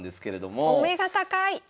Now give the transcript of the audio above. お目が高い！